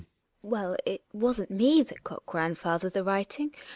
Well, it wasn't me that got grandfather the writing.